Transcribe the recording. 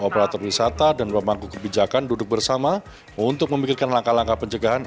operator wisata dan pemangku kebijakan duduk bersama untuk memikirkan langkah langkah pencegahan